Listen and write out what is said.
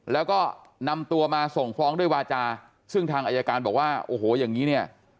แล้วก็นำตัวมาส่งฟ้องด้วยวาจาซึ่งทางอายการบอกว่าโอ้โหอย่างนี้เนี่ย